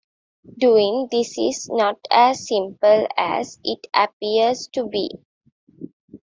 Doing this is not as simple as it appears to be.